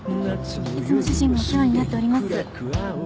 いつも主人がお世話になっております。